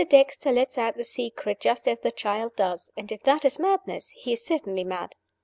Dexter lets out the secret just as the children do, and if that is madness, he is certainly mad.